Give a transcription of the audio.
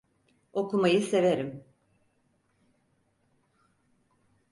Okumayı severim.